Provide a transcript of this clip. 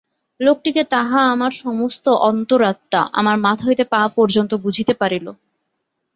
লোকটি কে তাহা আমার সমস্ত অন্তরাত্মা, আমার মাথা হইতে পা পর্যন্ত বুঝিতে পারিল।